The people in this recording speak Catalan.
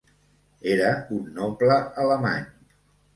Era un noble alemany.